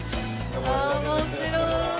面白い！